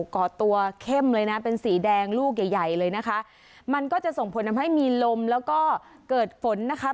ก่อตัวเข้มเลยนะเป็นสีแดงลูกใหญ่ใหญ่เลยนะคะมันก็จะส่งผลทำให้มีลมแล้วก็เกิดฝนนะคะ